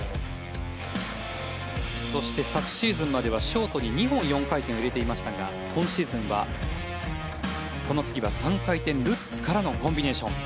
そして昨シーズンまではショートに２本４回転を入れていましたが今シーズンはこの次は３回転ルッツからのコンビネーション。